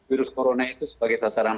virus corona itu sebagai sasaran